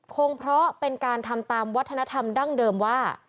คงเพราะเป็นการทำตามวัฒนธรรมดั้งเดิมว่า